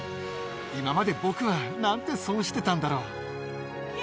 今まで僕はなんて損してたんだろう。